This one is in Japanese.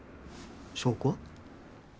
証拠は？